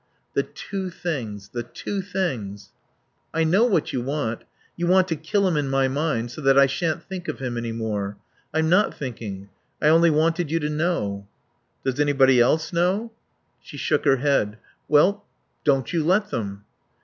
The two things. The two things. "I know what you want. You want to kill him in my mind, so that I shan't think of him any more. I'm not thinking. I only wanted you to know." "Does anybody else know?" She shook her head. "Well don't you let them."